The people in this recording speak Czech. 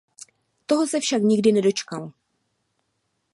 Toho se však nikdy nedočkal.